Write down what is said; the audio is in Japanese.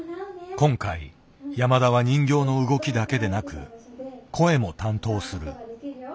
今回山田は人形の動きだけでなく声も担当する。